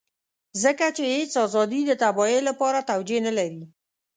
ځکه چې هېڅ ازادي د تباهۍ لپاره توجيه نه لري.